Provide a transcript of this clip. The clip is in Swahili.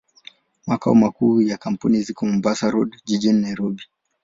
Makao makuu ya kampuni ziko Mombasa Road, jijini Nairobi.